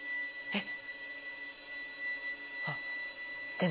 えっ⁉